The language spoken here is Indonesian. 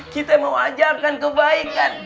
kita mau ajarkan kebaikan